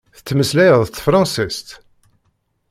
Tettmeslayeḍ s tefransist?